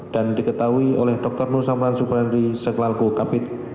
dan diketahui oleh dr nur samran subrandi seklalko kapit